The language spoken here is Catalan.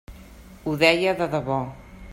Ho deia de debò.